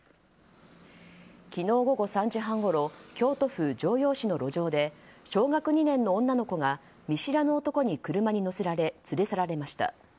昨日午後３時半ごろ京都府城陽市の路上で小学２年の女の子が見知らぬ男に車に乗せられ連れ去られました。